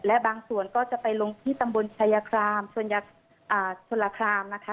และบางส่วนก็จะไปลงที่ตำบลชายครามชนราคามนะคะ